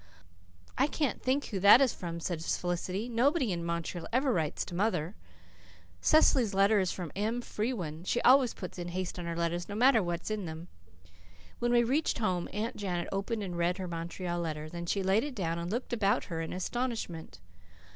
"I can't think who that is from," said Felicity. "Nobody in Montreal ever writes to mother. Cecily's letter is from Em Frewen. She always puts 'In Haste' on her letters, no matter what is in them." When we reached home, Aunt Janet opened and read her Montreal letter. Then she laid it down and looked about her in astonishment.